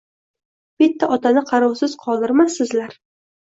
Bitta otani qarovsiz qoldirmassizlar